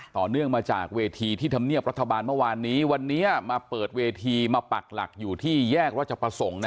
เนื่องมาจากเวทีที่ธรรมเนียบรัฐบาลเมื่อวานนี้วันนี้มาเปิดเวทีมาปักหลักอยู่ที่แยกราชประสงค์